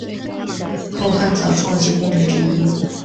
后汉草创期功臣之一。